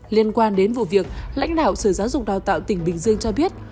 liên quan đến vụ việc lãnh đạo sở giáo dục đào tạo tỉnh bình dương cho biết